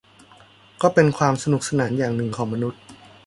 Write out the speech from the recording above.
ก็เป็นความสนุนสนานอย่างหนึ่งของมนุษย์